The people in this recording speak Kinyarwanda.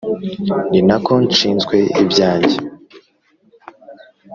ni na ko nshinzwe ibyange